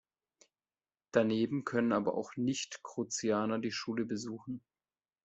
Daneben können aber auch Nicht-Kruzianer die Schule besuchen.